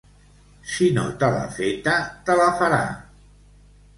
Si no te l'ha feta te la farà.